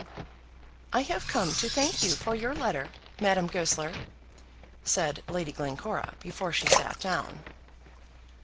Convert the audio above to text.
"I have come to thank you for your letter, Madame Goesler," said Lady Glencora, before she sat down.